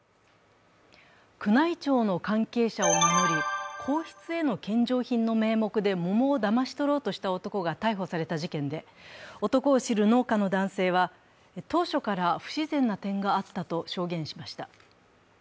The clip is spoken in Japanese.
宮内庁の関係者を名乗り、皇室への献上品の名目で桃をだまし取ろうとした男が逮捕された事件で、男を知る農家の男性は、当初から不自然な点があったと証言しました。